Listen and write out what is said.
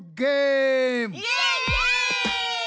イエイイエーイ！